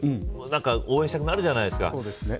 応援したくなるじゃないですか。